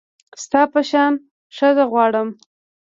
ستا په شان ښځه غواړم